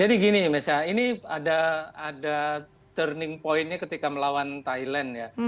jadi gini mesa ini ada turning point nya ketika melawan thailand ya